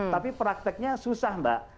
tapi prakteknya susah mbak